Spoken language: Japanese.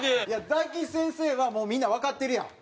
大吉先生はもうみんなわかってるやん。